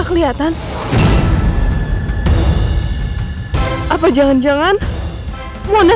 clara baru dateng kesini